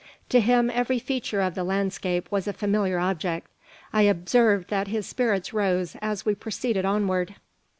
To him every feature of the landscape was a familiar object. I observed that his spirits rose as we proceeded onward.